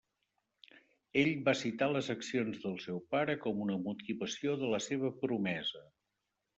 Ell va citar les accions del seu pare com una motivació de la seva promesa.